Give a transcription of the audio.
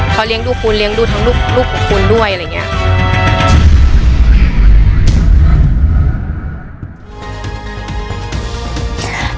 เขาเลี้ยงดูคุณเลี้ยงดูทั้งลูกของคุณด้วยอะไรอย่างนี้